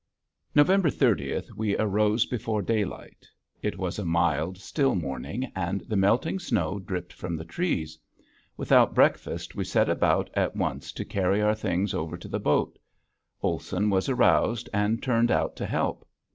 November thirtieth we arose before daylight. It was a mild, still morning and the melting snow dripped from the trees. Without breakfast we set about at once to carry our things over to the boat. Olson was aroused and turned out to help.